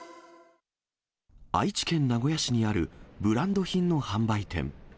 愛知県名古屋市にあるブランド品の販売店。